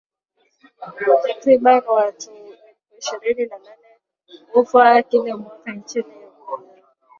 Takriban watu elfu ishirini na nane hufa kila mwaka nchini Uganda